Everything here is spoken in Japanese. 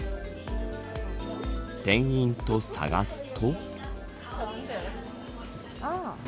店員と探すと。